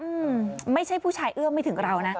อืมไม่ใช่ผู้ชายเอื้อมไม่ถึงเรานะ